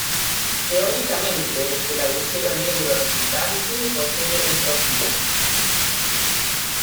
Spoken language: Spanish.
Teóricamente, el agujero negro resultante posee entropía.